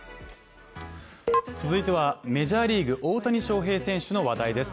続いては、メジャーリーグ大谷翔平選手の話題です。